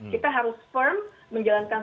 kita harus firm menjalankan